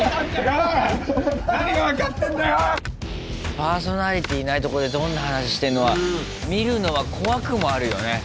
パーソナリティーいないとこでどんな話してんのか見るのが怖くもあるよね。